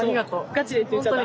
ガチでって言っちゃった。